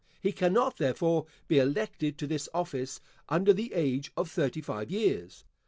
He cannot, therefore, be elected to this office under the age of thirty five years.